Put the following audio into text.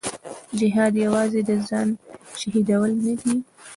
جهاد یوازې د ځان شهیدول نه دي.